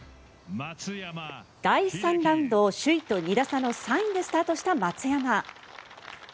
第３ラウンドを首位と２打差の３位でスタートした松山。